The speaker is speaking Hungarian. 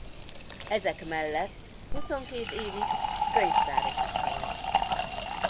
Ezek mellett huszonkét évig könyvtáros is volt.